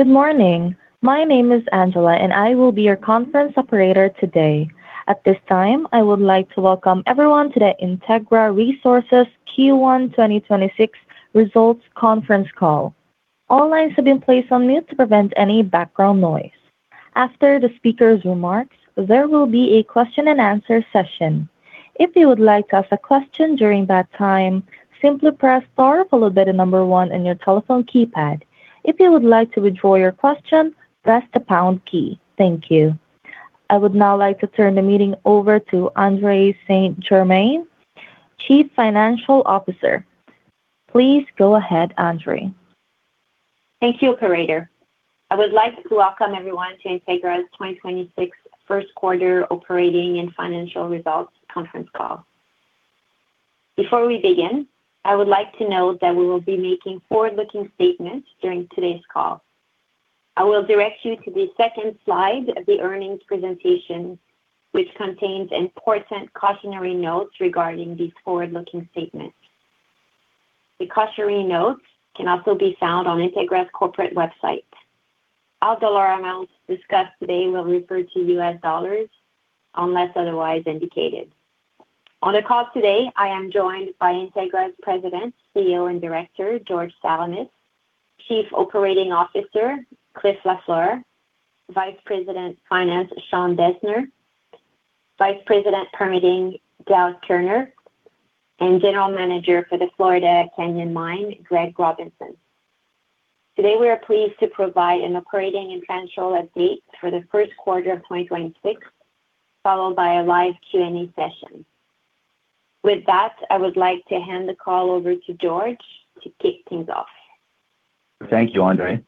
Good morning. My name is Angela, and I will be your conference operator today. At this time, I would like to welcome everyone to the Integra Resources Q1 2026 Results Conference Call. All lines have been placed on mute to prevent any background noise. After the speaker's remarks, there will be a question-and-answer session. If you would like to ask a question during that time, simply press star followed by the number 1 on your telephone keypad. If you would like to withdraw your question, press the pound key. Thank you. I would now like to turn the meeting over to Andrée St-Germain, Chief Financial Officer. Please go ahead, Andrée. Thank you, operator. I would like to welcome everyone to Integra's 2026 first quarter operating and financial results conference call. Before we begin, I would like to note that we will be making forward-looking statements during today's call. I will direct you to the second slide of the earnings presentation, which contains important cautionary notes regarding these forward-looking statements. The cautionary notes can also be found on Integra's corporate website. All dollar amounts discussed today will refer to U.S. dollars unless otherwise indicated. On the call today, I am joined by Integra's President, CEO, and Director, George Salamis; Chief Operating Officer, Clifford Lafleur; Vice President, Finance, Sean Deissner; Vice President, Permitting, Dale Kerner; and General Manager for the Florida Canyon Mine, Gregory Robinson. Today, we are pleased to provide an operating and financial update for the first quarter of 2026, followed by a live Q&A session. With that, I would like to hand the call over to George to kick things off. Thank you, Andrée.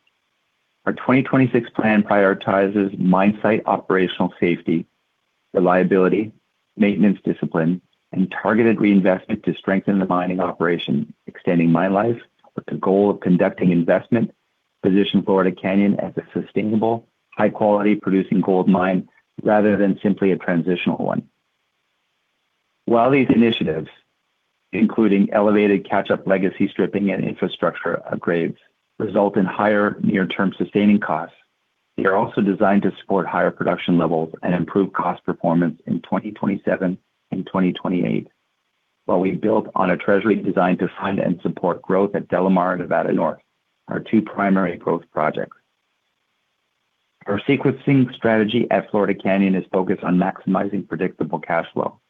Our 2026 plan prioritizes mine site operational safety, reliability, maintenance discipline, and targeted reinvestment to strengthen the mining operation, extending mine life with the goal of conducting investment, position Florida Canyon as a sustainable, high-quality producing gold mine rather than simply a transitional one. While these initiatives, including elevated catch-up legacy stripping and infrastructure upgrades, result in higher near-term sustaining costs, they are also designed to support higher production levels and improve cost performance in 2027 and 2028, while we build on a treasury designed to fund and support growth at DeLamar, Nevada North, our two primary growth projects. Our sequencing strategy at Florida Canyon is focused on maximizing predictable cash flow,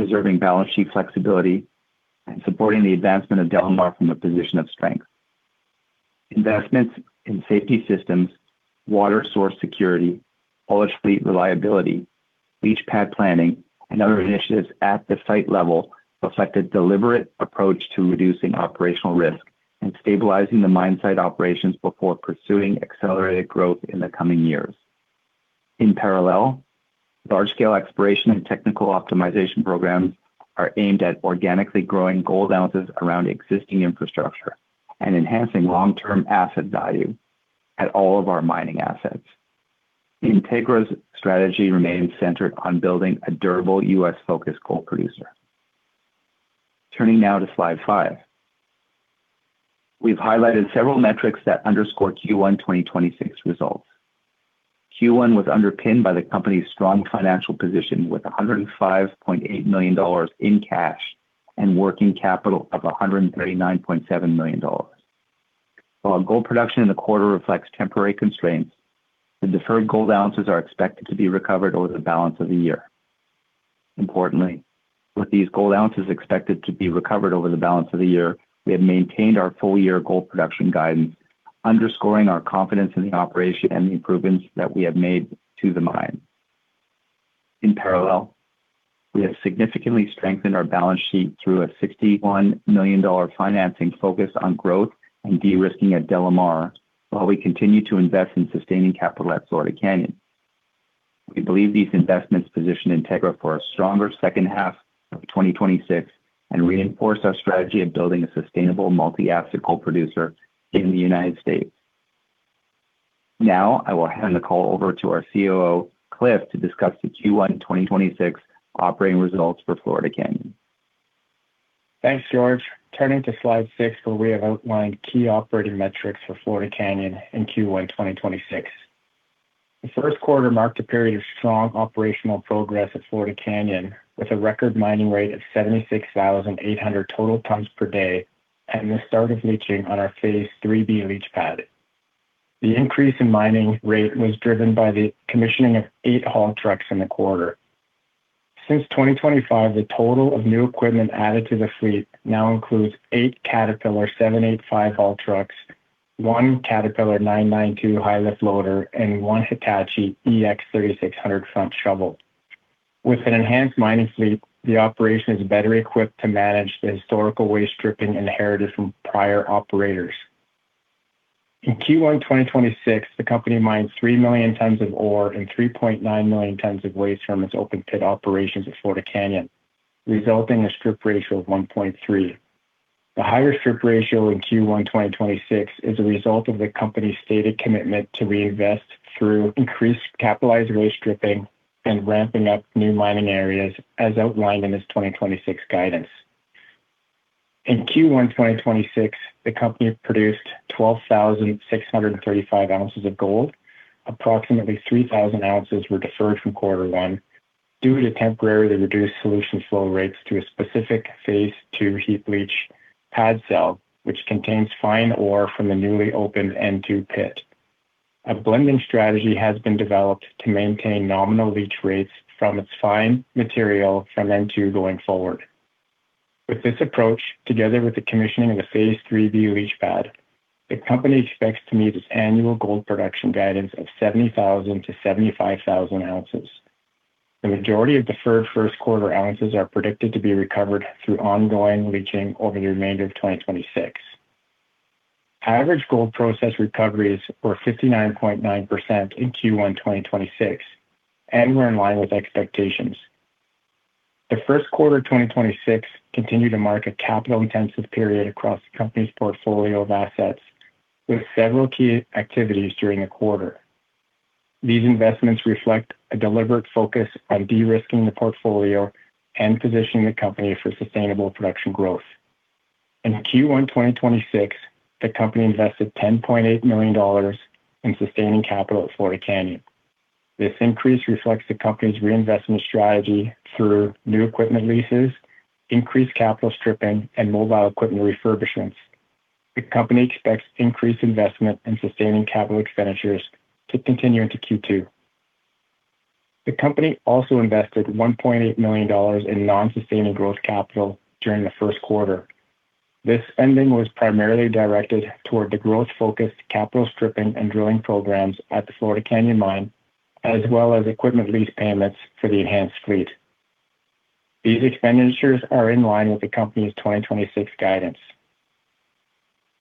preserving balance sheet flexibility, and supporting the advancement of DeLamar from a position of strength. Investments in safety systems, water source security, hauler fleet reliability, leach pad planning, and other initiatives at the site level reflect a deliberate approach to reducing operational risk and stabilizing the mine site operations before pursuing accelerated growth in the coming years. In parallel, large-scale exploration and technical optimization programs are aimed at organically growing gold ounces around existing infrastructure and enhancing long-term asset value at all of our mining assets. Integra's strategy remains centered on building a durable U.S.-focused gold producer. Turning now to slide five. We've highlighted several metrics that underscore Q1 2026 results. Q1 was underpinned by the company's strong financial position with $105.8 million in cash and working capital of $139.7 million. While gold production in the quarter reflects temporary constraints, the deferred gold ounces are expected to be recovered over the balance of the year. Importantly, with these gold ounces expected to be recovered over the balance of the year, we have maintained our full-year gold production guidance, underscoring our confidence in the operation and the improvements that we have made to the mine. In parallel, we have significantly strengthened our balance sheet through a $61 million financing focused on growth and de-risking at DeLamar while we continue to invest in sustaining capital at Florida Canyon. We believe these investments position Integra for a stronger second half of 2026 and reinforce our strategy of building a sustainable multi-asset gold producer in the United States. Now, I will hand the call over to our COO, Cliff, to discuss the Q1 2026 operating results for Florida Canyon. Thanks, George. Turning to slide six, where we have outlined key operating metrics for Florida Canyon in Q1 2026. The first quarter marked a period of strong operational progress at Florida Canyon, with a record mining rate of 76,800 total tons per day at the start of leaching on our Phase IIIB leach pad. The increase in mining rate was driven by the commissioning of 8 haul trucks in the quarter. Since 2025, the total of new equipment added to the fleet now includes eight Caterpillar 785 haul trucks, one Caterpillar 992 high lift loader, and one Hitachi EX3600 front shovel. With an enhanced mining fleet, the operation is better equipped to manage the historical waste stripping inherited from prior operators. In Q1 2026, the company mined 3 million tons of ore and 3.9 million tons of waste from its open pit operations at Florida Canyon, resulting in a strip ratio of 1.3. The higher strip ratio in Q1 2026 is a result of the company's stated commitment to reinvest through increased capitalized waste stripping and ramping up new mining areas, as outlined in its 2026 guidance. In Q1 2026, the company produced 12,635 ounces of gold. Approximately 3,000 ounces were deferred from quarter one due to temporarily reduced solution flow rates to a specific Phase II heap leach pad cell, which contains fine ore from the newly opened N2 Pit. A blending strategy has been developed to maintain nominal leach rates from its fine material from N2 going forward. With this approach, together with the commissioning of the Phase IIIB leach pad, the company expects to meet its annual gold production guidance of 70,000 ounces-75,000 ounces. The majority of deferred first quarter ounces are predicted to be recovered through ongoing leaching over the remainder of 2026. Average gold process recoveries were 59.9% in Q1 2026 and were in line with expectations. The first quarter 2026 continued to mark a capital-intensive period across the company's portfolio of assets, with several key activities during the quarter. These investments reflect a deliberate focus on de-risking the portfolio and positioning the company for sustainable production growth. In Q1 2026, the company invested $10.8 million in sustaining capital at Florida Canyon. This increase reflects the company's reinvestment strategy through new equipment leases, increased capital stripping, and mobile equipment refurbishments. The company expects increased investment in sustaining capital expenditures to continue into Q2. The company also invested $1.8 million in non-sustaining growth capital during the first quarter. This spending was primarily directed toward the growth-focused capital stripping and drilling programs at the Florida Canyon Mine, as well as equipment lease payments for the enhanced fleet. These expenditures are in line with the company's 2026 guidance.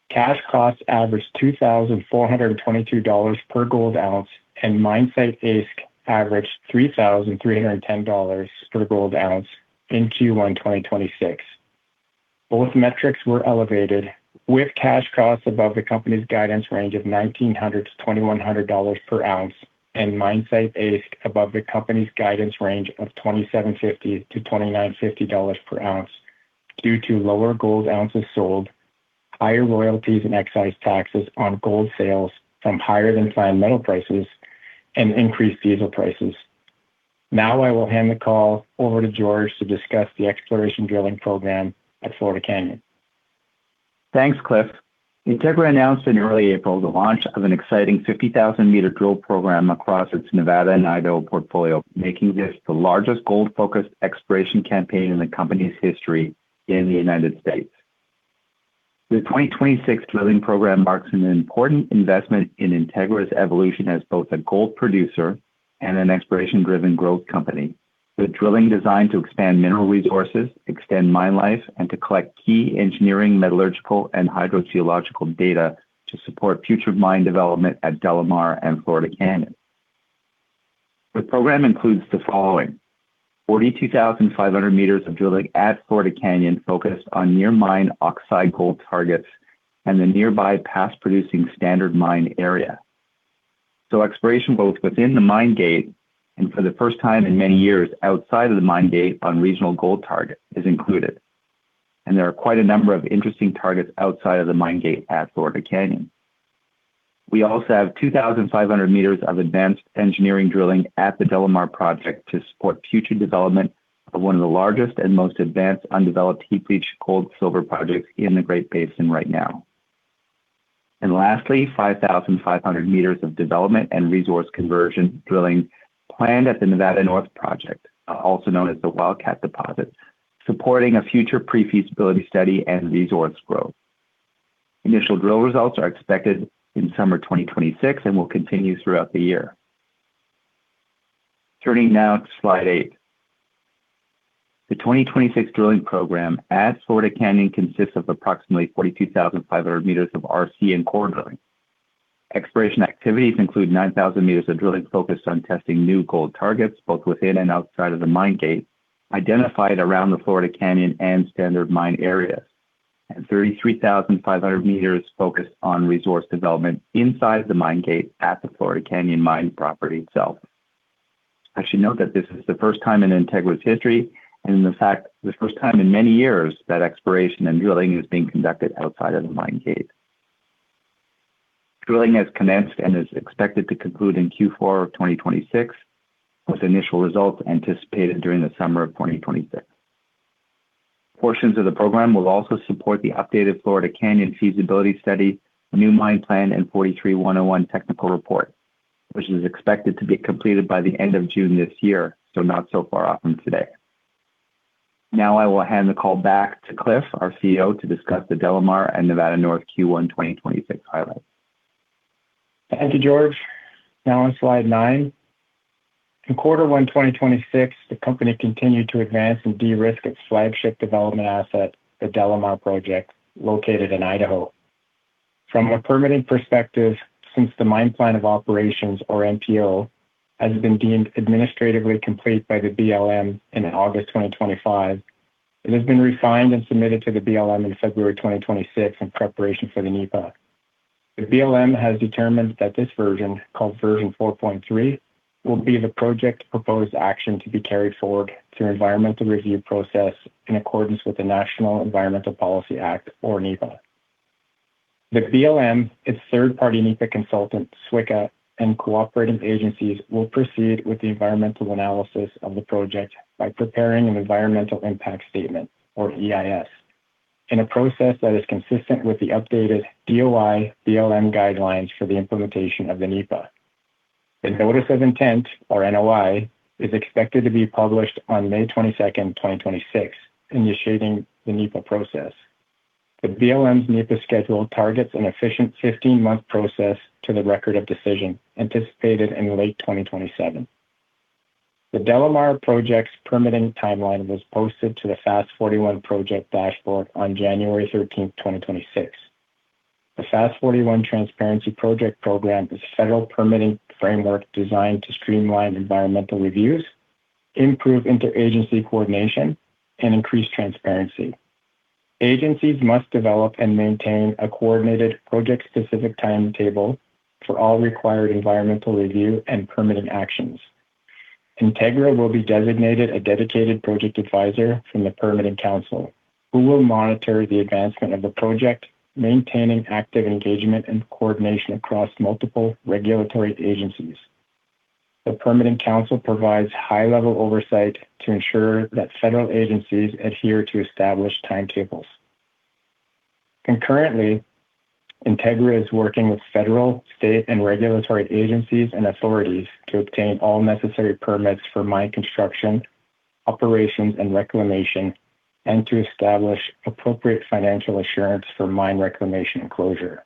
Cash costs averaged $2,422 per gold ounce, and mine site AISC averaged $3,310 per gold ounce in Q1 2026. Both metrics were elevated, with cash costs above the company's guidance range of $1,900-$2,100 per ounce and mine site AISC above the company's guidance range of $2,750-$2,950 per ounce due to lower gold ounces sold, higher royalties and excise taxes on gold sales from higher than fundamental prices, and increased diesel prices. I will hand the call over to George to discuss the exploration drilling program at Florida Canyon. Thanks, Cliff. Integra announced in early April the launch of an exciting 50,000-meter drill program across its Nevada and Idaho portfolio, making this the largest gold-focused exploration campaign in the company's history in the United States. The 2026 drilling program marks an important investment in Integra's evolution as both a gold producer and an exploration-driven growth company. The drilling designed to expand mineral resources, extend mine life, and to collect key engineering, metallurgical, and hydrogeological data to support future mine development at DeLamar and Florida Canyon. The program includes the following: 42,500 m of drilling at Florida Canyon focused on near mine oxide gold targets and the nearby past producing Standard Mine area. Exploration both within the mine gate and, for the first time in many years, outside of the mine gate on regional gold target is included, and there are quite a number of interesting targets outside of the mine gate at Florida Canyon. We also have 2,500 m of advanced engineering drilling at the DeLamar project to support future development of one of the largest and most advanced undeveloped heap leach gold silver projects in the Great Basin right now. Lastly, 5,500 m of development and resource conversion drilling planned at the Nevada North Project, also known as the Wildcat Deposit, supporting a future pre-feasibility study and resource growth. Initial drill results are expected in summer 2026 and will continue throughout the year. Turning now to slide eight. The 2026 drilling program at Florida Canyon consists of approximately 42,500 m of RC and core drilling. Exploration activities include 9,000 m of drilling focused on testing new gold targets, both within and outside of the mine gate, identified around the Florida Canyon and Standard Mine areas, and 33,500 m focused on resource development inside the mine gate at the Florida Canyon Mine property itself. I should note that this is the first time in Integra's history and in fact, the first time in many years that exploration and drilling is being conducted outside of the mine gate. Drilling has commenced and is expected to conclude in Q4 of 2026, with initial results anticipated during the summer of 2026. Portions of the program will also support the updated Florida Canyon feasibility study, new mine plan, and 43-101 technical report, which is expected to be completed by the end of June this year. Not so far off from today. I will hand the call back to Cliff, our COO, to discuss the DeLamar and Nevada North Q1 2026 highlights. Thank you, George. Now on slide nine. In Q1 2026, the company continued to advance and de-risk its flagship development asset, the DeLamar project, located in Idaho. From a permitting perspective, since the Mine Plan of Operations, or MPO, has been deemed administratively complete by the BLM in August 2025, it has been refined and submitted to the BLM in February 2026 in preparation for the NEPA. The BLM has determined that this version, called version 4.3, will be the project proposed action to be carried forward through environmental review process in accordance with the National Environmental Policy Act, or NEPA. The BLM, its third-party NEPA consultant, SWCA, and cooperating agencies will proceed with the environmental analysis of the project by preparing an environmental impact statement, or EIS, in a process that is consistent with the updated DOI BLM guidelines for the implementation of the NEPA. The Notice of Intent, or NOI, is expected to be published on May 22nd, 2026, initiating the NEPA process. The BLM's NEPA schedule targets an efficient 15-month process to the Record of Decision anticipated in late 2027. The DeLamar project's permitting timeline was posted to the FAST-41 project dashboard on January 13th, 2026. The FAST-41 Transparency Project program is a federal permitting framework designed to streamline environmental reviews, improve inter-agency coordination, and increase transparency. Agencies must develop and maintain a coordinated project-specific timetable for all required environmental review and permitting actions. Integra will be designated a dedicated project advisor from the Permitting Council, who will monitor the advancement of the project, maintaining active engagement and coordination across multiple regulatory agencies. The Permitting Council provides high-level oversight to ensure that federal agencies adhere to established timetables. Concurrently, Integra is working with federal, state, and regulatory agencies and authorities to obtain all necessary permits for mine construction, operations, and reclamation, and to establish appropriate financial assurance for mine reclamation and closure.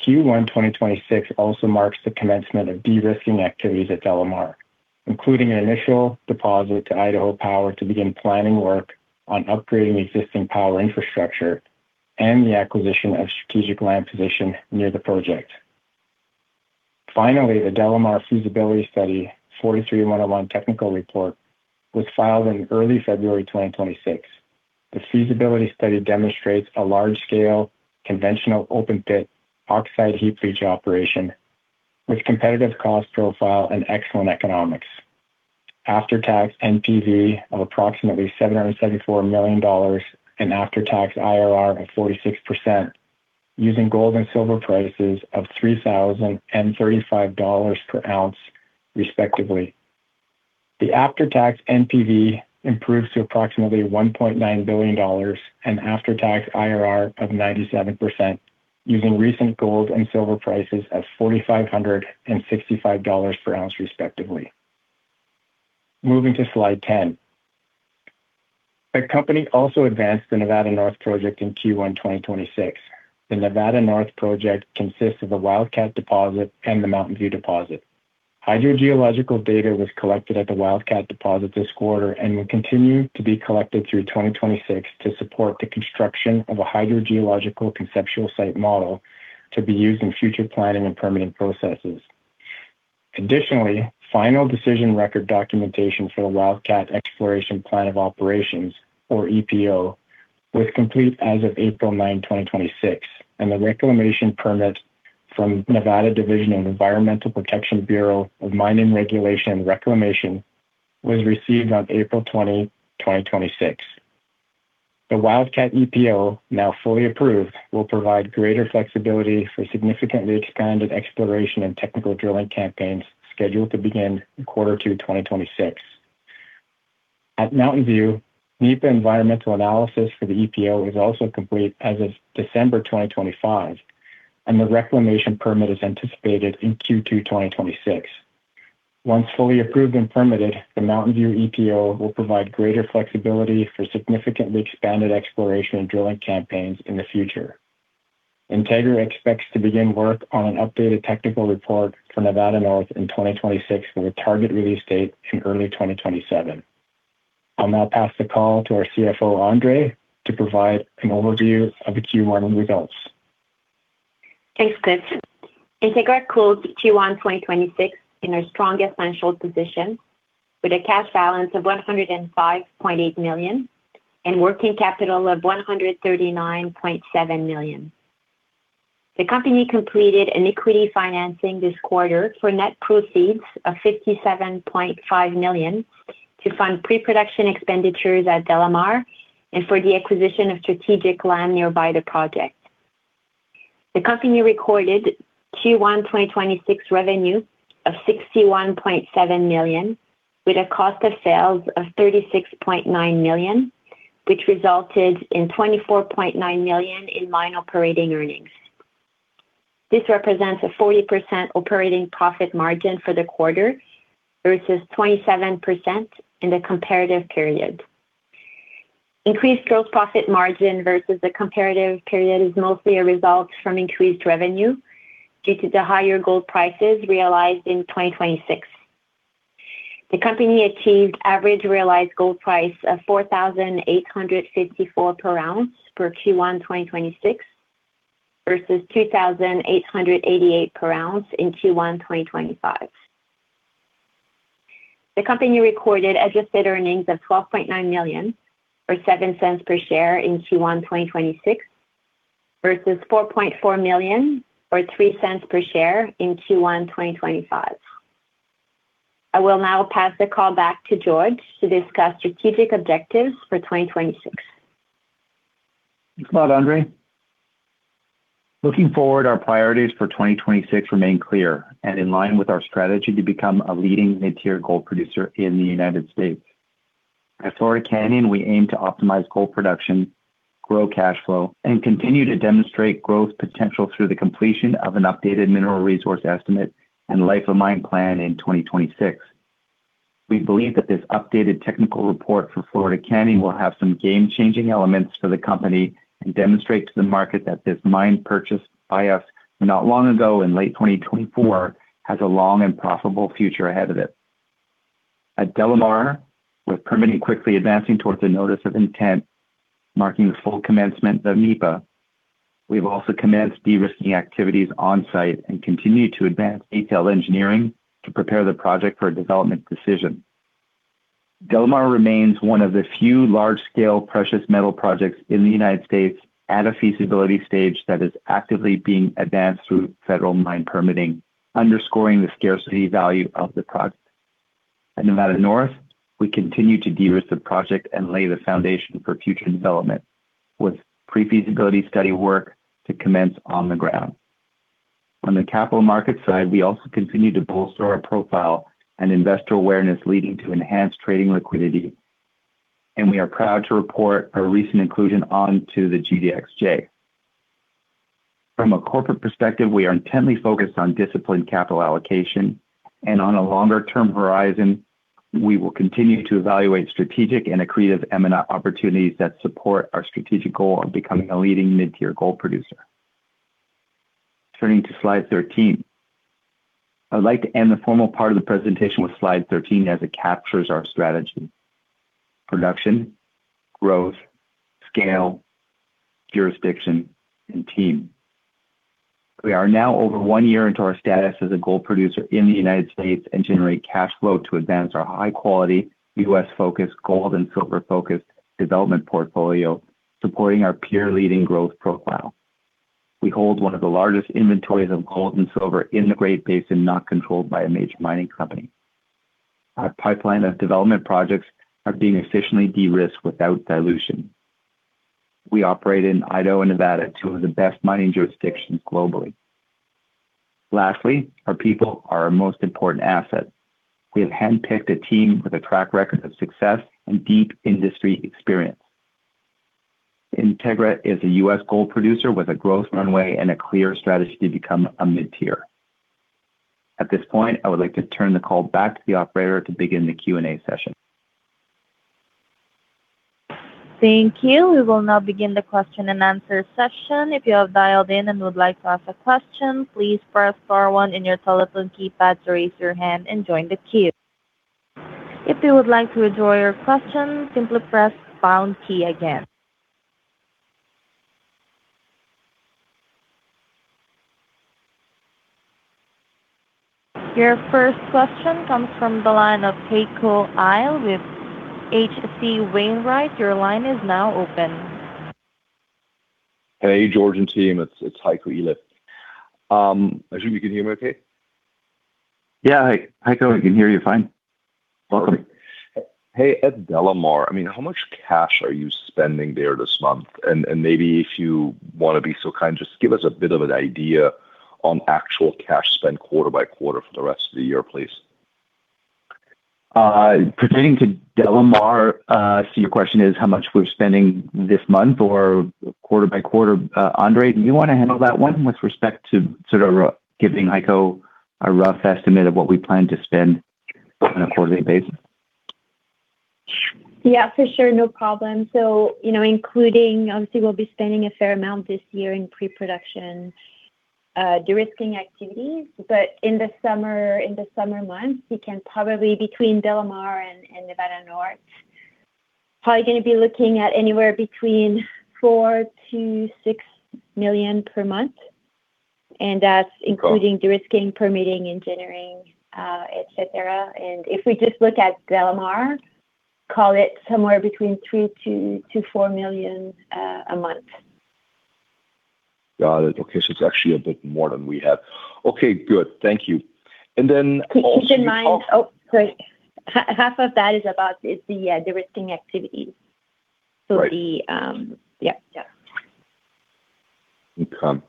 Q1 2026 also marks the commencement of de-risking activities at DeLamar, including an initial deposit to Idaho Power to begin planning work on upgrading existing power infrastructure and the acquisition of strategic land position near the project. The DeLamar feasibility study 43-101 technical report was filed in early February 2026. The feasibility study demonstrates a large-scale conventional open pit oxide heap leach operation with competitive cost profile and excellent economics. After-tax NPV of approximately $774 million and after-tax IRR of 46% using gold and silver prices of $3,035 per ounce respectively. The after-tax NPV improves to approximately $1.9 billion and after-tax IRR of 97% using recent gold and silver prices of $4,565 per ounce respectively. Moving to slide 10. The company also advanced the Nevada North project in Q1 2026. The Nevada North project consists of the Wildcat deposit and the Mountain View deposit. Hydrogeological data was collected at the Wildcat deposit this quarter and will continue to be collected through 2026 to support the construction of a hydrogeological conceptual site model to be used in future planning and permitting processes. Additionally, final decision record documentation for the Wildcat exploration plan of operations, or EPO, was complete as of April 9, 2026, and the reclamation permit from Nevada Division of Environmental Protection Bureau of Mining Regulation and Reclamation was received on April 20, 2026. The Wildcat EPO, now fully approved, will provide greater flexibility for significantly expanded exploration and technical drilling campaigns scheduled to begin in Q2 2026. At Mountain View, NEPA environmental analysis for the EPO is also complete as of December 2025, and the reclamation permit is anticipated in Q2 2026. Once fully approved and permitted, the Mountain View EPO will provide greater flexibility for significantly expanded exploration and drilling campaigns in the future. Integra expects to begin work on an updated technical report for Nevada North in 2026 with a target release date in early 2027. I'll now pass the call to our CFO, Andrée, to provide an overview of the Q1 results. Thanks, Cliff. Integra closed Q1 2026 in our strongest financial position with a cash balance of $105.8 million and working capital of $139.7 million. The company completed an equity financing this quarter for net proceeds of $57.5 million to fund pre-production expenditures at DeLamar and for the acquisition of strategic land nearby the project. The company recorded Q1 2026 revenue of $61.7 million with a cost of sales of $36.9 million, which resulted in $24.9 million in mine operating earnings. This represents a 40% operating profit margin for the quarter versus 27% in the comparative period. Increased gross profit margin versus the comparative period is mostly a result from increased revenue due to the higher gold prices realized in 2026. The company achieved average realized gold price of $4,854 per ounce for Q1 2026 versus $2,888 per ounce in Q1 2025. The company recorded adjusted earnings of $12.9 million, or $0.07 per share in Q1 2026, versus $4.4 million or $0.03 per share in Q1 2025. I will now pass the call back to George to discuss strategic objectives for 2026. Thanks a lot, Andrée. Looking forward, our priorities for 2026 remain clear and in line with our strategy to become a leading mid-tier gold producer in the U.S. At Florida Canyon, we aim to optimize gold production, grow cash flow, and continue to demonstrate growth potential through the completion of an updated mineral resource estimate and life of mine plan in 2026. We believe that this updated technical report for Florida Canyon will have some game-changing elements for the company and demonstrate to the market that this mine purchase by us not long ago in late 2024, has a long and profitable future ahead of it. At DeLamar, with permitting quickly advancing towards the notice of intent, marking the full commencement of NEPA. We've also commenced de-risking activities on-site and continue to advance detail engineering to prepare the project for a development decision. DeLamar remains one of the few large scale precious metal projects in the United States at a feasibility stage that is actively being advanced through federal mine permitting, underscoring the scarcity value of the project. At Nevada North, we continue to de-risk the project and lay the foundation for future development, with pre-feasibility study work to commence on the ground. We are proud to report our recent inclusion onto the GDXJ. From a corporate perspective, we are intently focused on disciplined capital allocation. On a longer term horizon, we will continue to evaluate strategic and accretive M&A opportunities that support our strategic goal of becoming a leading mid-tier gold producer. Turning to slide 13. I'd like to end the formal part of the presentation with slide 13 as it captures our strategy. Production, growth, scale, jurisdiction, and team. We are now over one year into our status as a gold producer in the U.S. and generate cash flow to advance our high quality U.S.-focused gold and silver focused development portfolio, supporting our peer-leading growth profile. We hold 1 of the largest inventories of gold and silver in the Great Basin not controlled by a major mining company. Our pipeline of development projects are being efficiently de-risked without dilution. We operate in Idaho and Nevada, two of the best mining jurisdictions globally. Lastly, our people are our most important asset. We have handpicked a team with a track record of success and deep industry experience. Integra is a U.S. gold producer with a growth runway and a clear strategy to become a mid-tier. At this point, I would like to turn the call back to the operator to begin the Q&A session. Thank you. We will now begin the question and answer session. If you have dialed in and would like to ask a question, please press star one in your telephone keypad to raise your hand and join the queue. If you would like to withdraw your question, simply press pound key again. Your first question comes from the line of Heiko Ihle with H.C. Wainwright. Your line is now open. Hey, George and team, it's Heiko Ihle. I assume you can hear me okay? Yeah, Heiko, I can hear you fine. Welcome. Hey, at DeLamar, I mean, how much cash are you spending there this month? Maybe if you want to be so kind, just give us a bit of an idea on actual cash spend quarter by quarter for the rest of the year, please. Pertaining to DeLamar, so your question is how much we're spending this month or quarter by quarter. Andrée, do you want to handle that one with respect to sort of giving Heiko a rough estimate of what we plan to spend on a quarterly basis? Yeah, for sure. No problem. You know, including, obviously, we'll be spending a fair amount this year in pre-production, de-risking activities. In the summer months, we can probably between DeLamar and Nevada North, probably gonna be looking at anywhere between $4 million-$6 million per month, and that's including de-risking, permitting, engineering, et cetera. If we just look at DeLamar, call it somewhere between $3 million-$4 million a month. Got it. Okay, it's actually a bit more than we have. Okay, good. Thank you. Keep in mind. Oh, sorry. Half of that is about the de-risking activities. Right. Yeah, yeah. Okay.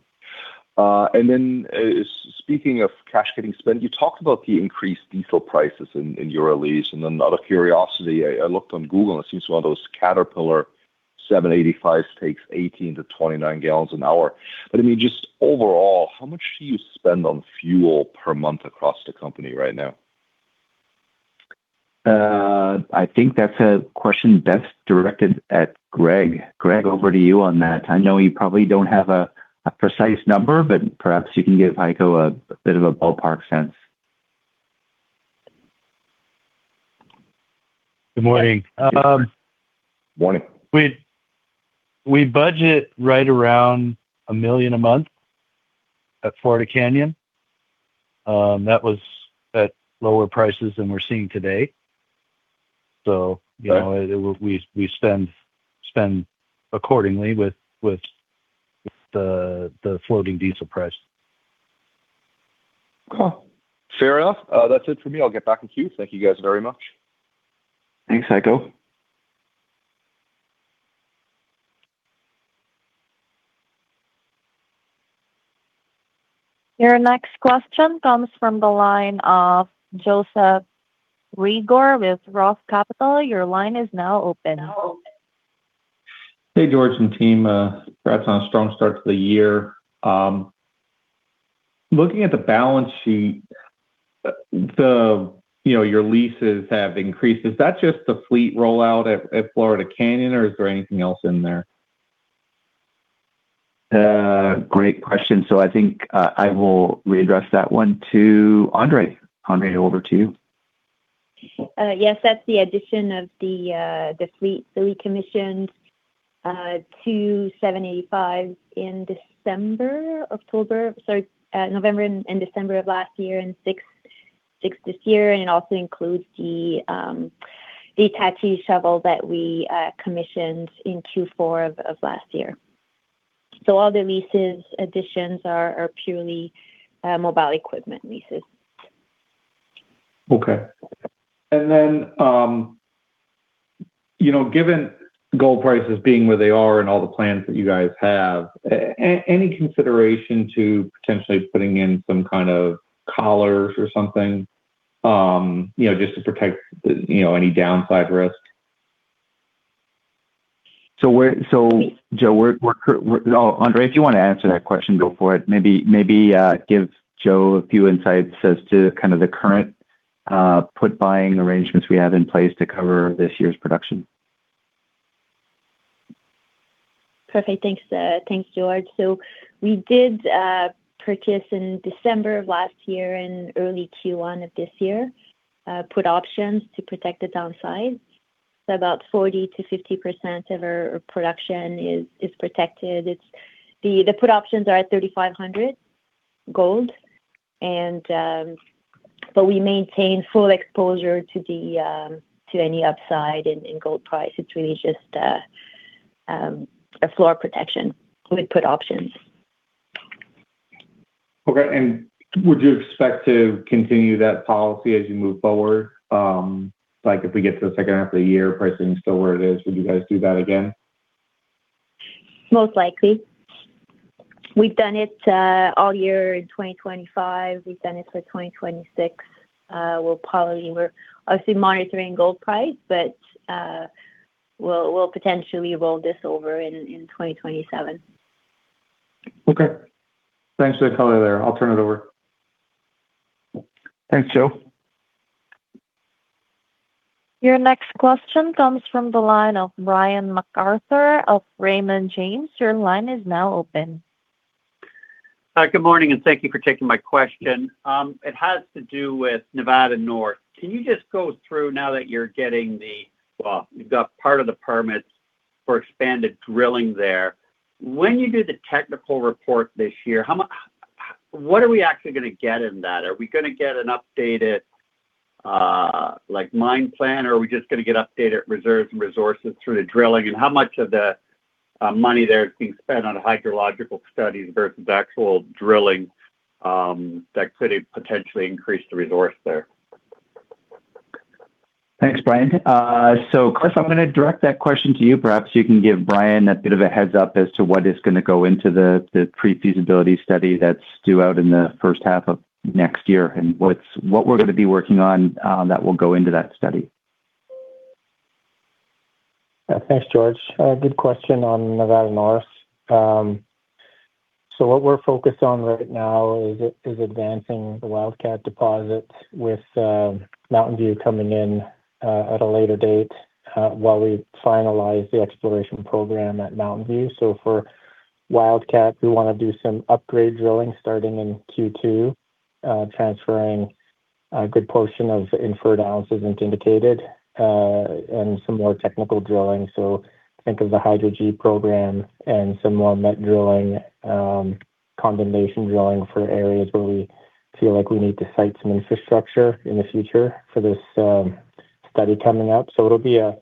Speaking of cash getting spent, you talked about the increased diesel prices in your release. Out of curiosity, I looked on Google and it seems one of those Caterpillar 785s takes 18 to 29 gallons an hour. I mean, just overall, how much do you spend on fuel per month across the company right now? I think that's a question best directed at Greg. Greg, over to you on that. I know you probably don't have a precise number, but perhaps you can give Heiko a bit of a ballpark sense. Good morning. Morning We budget right around $1 million a month at Florida Canyon. That was at lower prices than we're seeing today. You know. Right We spend accordingly with the floating diesel price. Cool. Fair enough. That's it for me. I'll get back in queue. Thank you guys very much. Thanks, Heiko. Your next question comes from the line of Joseph Reagor with ROTH Capital Partners. Your line is now open. Hey, George and team. Congrats on a strong start to the year. Looking at the balance sheet, you know, your leases have increased. Is that just the fleet rollout at Florida Canyon or is there anything else in there? Great question. I think, I will re-address that one to Andrée. Andrée, over to you. Yes, that's the addition of the fleet. We commissioned two Caterpillars 785s in December, October. Sorry, November and December of last year, and six this year. It also includes the Hitachi shovel that we commissioned in Q4 of last year. All the leases additions are purely mobile equipment leases. Okay. You know, given gold prices being where they are and all the plans that you guys have, any consideration to potentially putting in some kind of collars or something, you know, just to protect the, you know, any downside risk? Joe, Andrée, if you wanna answer that question, go for it. Maybe, give Joe a few insights as to kind of the current put buying arrangements we have in place to cover this year's production. Perfect. Thanks, thanks George. We did purchase in December of last year and early Q1 of this year, put options to protect the downside. About 40%-50% of our production is protected. The put options are at $3,500 gold, and we maintain full exposure to any upside in gold price. It's really just a floor protection with put options. Okay. Would you expect to continue that policy as you move forward? Like if we get to the second half of the year, pricing is still where it is, would you guys do that again? Most likely. We've done it all year in 2025. We've done it for 2026. We'll probably, we're obviously monitoring gold price, but we'll potentially roll this over in 2027. Okay. Thanks for the color there. I'll turn it over. Thanks, Joe. Your next question comes from the line of Brian MacArthur of Raymond James. Your line is now open. Good morning, thank you for taking my question. It has to do with Nevada North. Can you just go through, now that you're getting the, well, you've got part of the permits for expanded drilling there. When you do the technical report this year, what are we actually gonna get in that? Are we gonna get an updated, like mine plan, or are we just gonna get updated reserves and resources through the drilling? How much of the money there is being spent on hydrological studies versus actual drilling that could potentially increase the resource there? Thanks, Brian. Cliff, I'm gonna direct that question to you. Perhaps you can give Brian a bit of a heads up as to what is gonna go into the pre-feasibility study that's due out in the first half of next year and what we're gonna be working on that will go into that study. Thanks, George. Good question on Nevada North. What we're focused on right now is advancing the Wildcat deposit with Mountain View coming in at a later date while we finalize the exploration program at Mountain View. For Wildcat, we wanna do some upgrade drilling starting in Q2, transferring a good portion of the inferred ounces indicated, and some more technical drilling. Think of the HydroG program and some more met drilling, condemnation drilling for areas where we feel like we need to site some infrastructure in the future for this study coming up. It'll be a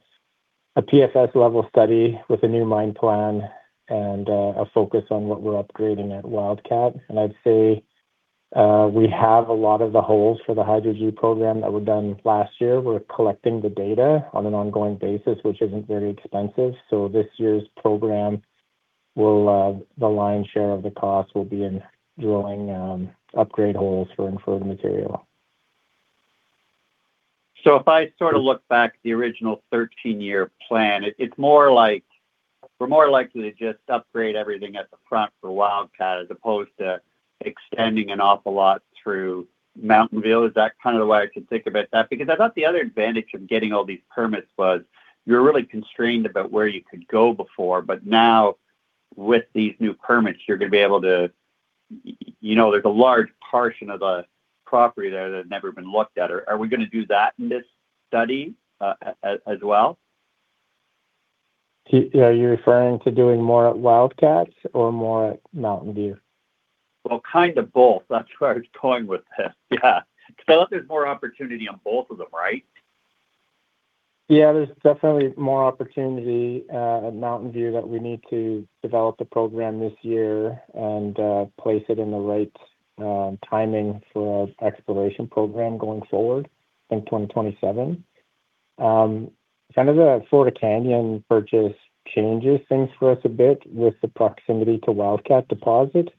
PFS level study with a new mine plan and a focus on what we're upgrading at Wildcat. I'd say, we have a lot of the holes for the HydroG program that were done last year. We're collecting the data on an ongoing basis, which isn't very expensive. The lion's share of the cost will be in drilling, upgrade holes for inferred material. If I sort of look back at the original 13-year plan, it's more like we're more likely to just upgrade everything at the front for Wildcat as opposed to extending an awful lot through Mountain View. Is that kind of the way I can think about that? I thought the other advantage of getting all these permits was you're really constrained about where you could go before, but now, with these new permits, you're gonna be able to, you know, there's a large portion of the property there that have never been looked at. Are we gonna do that in this study as well? Yeah, are you referring to doing more at Wildcat or more at Mountain View? Well, kind of both. That's where I was going with this. Yeah. Because I thought there's more opportunity on both of them, right? There's definitely more opportunity at Mountain View that we need to develop the program this year and place it in the right timing for exploration program going forward in 2027. Kind of the Florida Canyon purchase changes things for us a bit with the proximity to Wildcat deposit.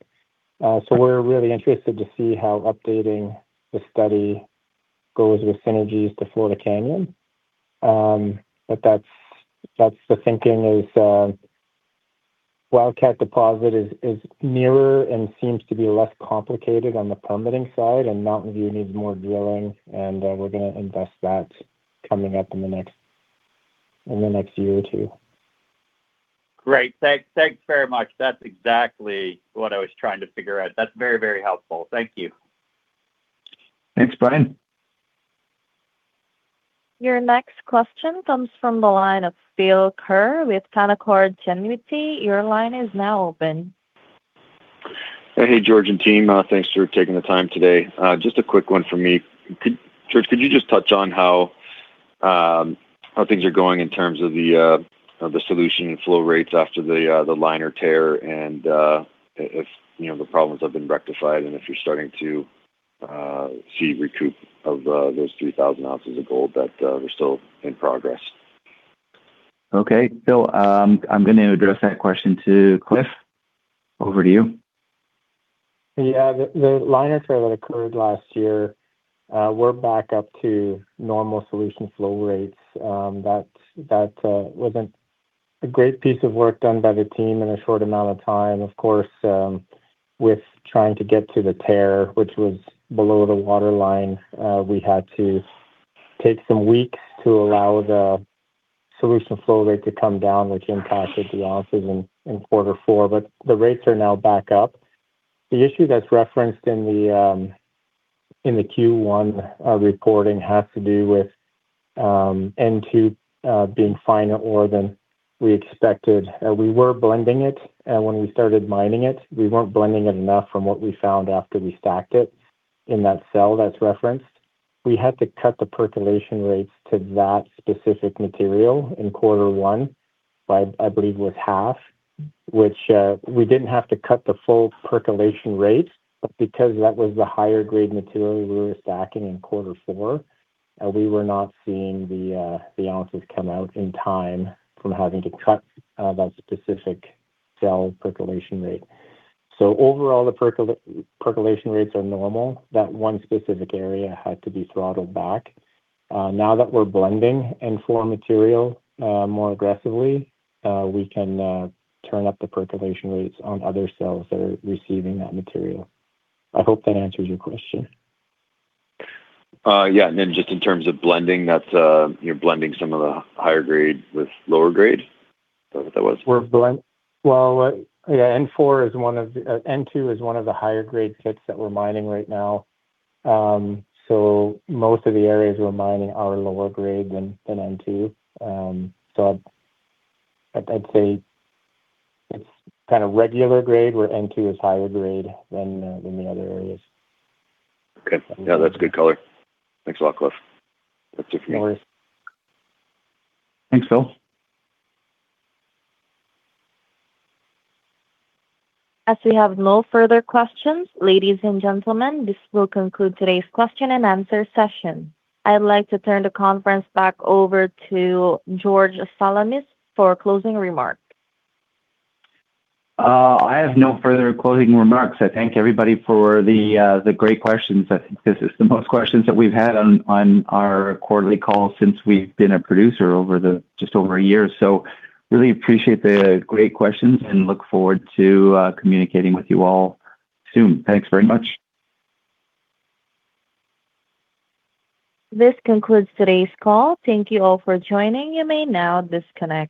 We're really interested to see how updating the study goes with synergies to Florida Canyon. That's, that's the thinking is Wildcat deposit is nearer and seems to be less complicated on the permitting side, and Mountain View needs more drilling, and we're gonna invest that coming up in the next one or two. Great. Thanks very much. That is exactly what I was trying to figure out. That is very, very helpful. Thank you. Thanks, Brian. Your next question comes from the line of Phil Ker with Canaccord Genuity. Your line is now open. Hey, George and team. Thanks for taking the time today. Just a quick one from me. Could, George, could you just touch on how things are going in terms of the solution flow rates after the liner tear and if, you know, the problems have been rectified and if you're starting to see recoup of those 3,000 ounces of gold that were still in progress? Okay. Phil, I'm going to address that question to Cliff. Over to you. Yeah. The, the liner tear that occurred last year, we're back up to normal solution flow rates. That, that was a great piece of work done by the team in a short amount of time. Of course, with trying to get to the tear, which was below the water line, we had to take some weeks to allow the solution flow rate to come down, which impacted the ounces in quarter four. The rates are now back up. The issue that's referenced in the, in the Q1 reporting has to do with N2 being finer ore than we expected. We were blending it when we started mining it. We weren't blending it enough from what we found after we stacked it in that cell that's referenced. We had to cut the percolation rates to that specific material in quarter one by, I believe it was half, which we didn't have to cut the full percolation rate up because that was the higher grade material we were stacking in quarter four. We were not seeing the ounces come out in time from having to cut that specific cell percolation rate. Overall, the percolation rates are normal. That one specific area had to be throttled back. Now that we're blending N4 material more aggressively, we can turn up the percolation rates on other cells that are receiving that material. I hope that answers your question. Yeah. Then just in terms of blending, that's, you're blending some of the higher grade with lower grade? Is that what that was? Well, yeah, N4 is one of the, N2 is one of the higher grade pits that we're mining right now. Most of the areas we're mining are lower grade than N2. I'd say it's kind of regular grade, where N2 is higher grade than the other areas. Okay. Yeah, that's a good color. Thanks a lot, Cliff. That's it for me. No worries. Thanks, Phil. As we have no further questions, ladies and gentlemen, this will conclude today's question and answer session. I'd like to turn the conference back over to George Salamis for closing remarks. I have no further closing remarks. I thank everybody for the great questions. I think this is the most questions that we've had on our quarterly call since we've been a producer over the, just over a year. Really appreciate the great questions and look forward to communicating with you all soon. Thanks very much. This concludes today's call. Thank you all for joining. You may now disconnect.